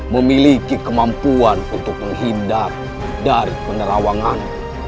memiliki kemampuan untuk menghindar dari penerawangan